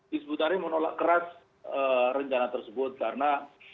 bisbut tahir menolak keras rencana tersebut karena